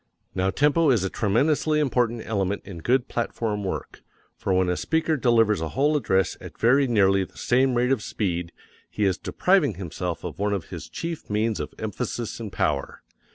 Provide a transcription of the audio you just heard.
Now tempo is a tremendously important element in good platform work, for when a speaker delivers a whole address at very nearly the same rate of speed he is depriving himself of one of his chief means of emphasis and power.